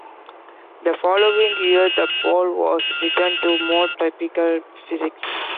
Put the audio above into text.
The following year the ball was returned to more typical physics.